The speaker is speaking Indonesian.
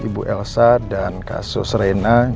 ibu elsa dan kasus rena